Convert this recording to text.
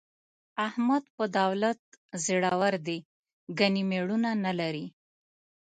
احمد په دولت زورو دی، ګني مېړونه نه لري.